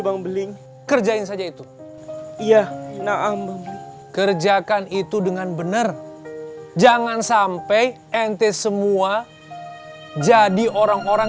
bang beling kerjain saja itu iya naam kerjakan itu dengan benar jangan sampai ente semua jadi orang orang